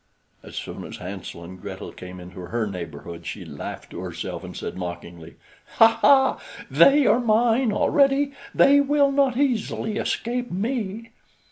As soon as Hansel and Gretel came into her neighborhood she laughed to herself and said mockingly: "Ha, ha! they are mine already; they will not easily escape me."